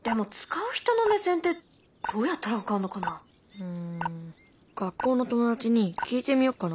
うん学校の友達に聞いてみよっかな。